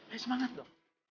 hai semangat dong